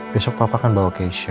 besok papa akan bawa keisha kesini ya